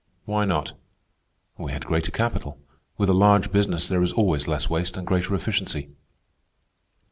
"Why not?" "We had greater capital. With a large business there is always less waste and greater efficiency."